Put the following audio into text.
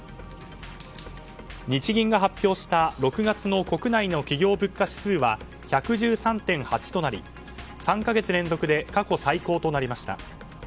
日銀が発表した６月の国内の企業物価指数は１１３．８となり３か月連続で過去最高となりました。